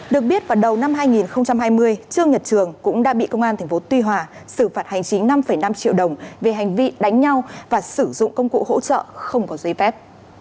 được biết vào đầu năm hai nghìn hai mươi trương nhật trường cũng đã bị công an tp tuy hòa xử phạt hành chính năm năm triệu đồng về hành vi đánh nhau và sử dụng công cụ hỗ trợ không có giấy phép